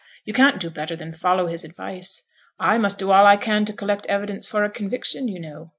You can't do better than follow his advice. I must do all I can to collect evidence for a conviction, you know.'